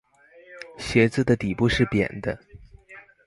鞋子的底部是扁的